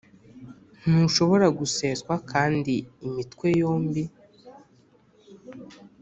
Ntushobora guseswa kandi Imitwe yombi